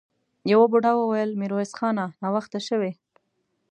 يوه بوډا وويل: ميرويس خانه! ناوخته شوې!